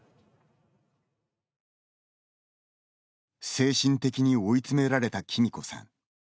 精神的に追いつめられたきみこさん。